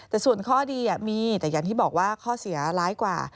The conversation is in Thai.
แต่ส่วนข้อดีมีแต่อย่างที่บอกว่าข้อเสียร้ายกว่า